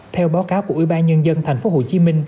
theo báo cáo của ủy ban nhân dân tp hcm